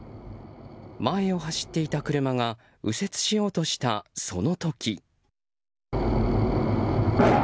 前を走っていた車が右折しようとした、その時。